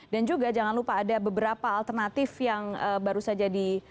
dan juga jangan lupa ada beberapa alternatif yang baru saja di